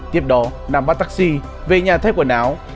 tiếp đó nam bắt taxi về nhà thay quần áo